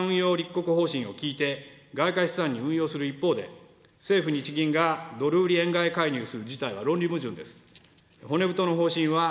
国民が総理の資産運用立国方針を聞いて、外貨資産に運用する一方で、政府・日銀がドル売り円買い介入する事態は、論理矛盾です。